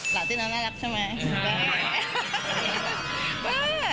หล่อจิ๊นไอน่ารักใช่ไหม